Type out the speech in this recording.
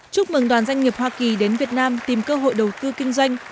chúc mừng đoàn doanh nghiệp hoa kỳ đến việt nam tìm cơ hội đầu tư kinh doanh